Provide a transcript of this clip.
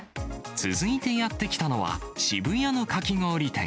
続いてやって来たのは、渋谷のかき氷店。